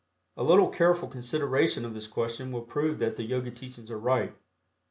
A little careful consideration of this question will prove that the Yogi teachings are right.